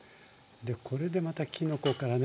これでまたきのこからね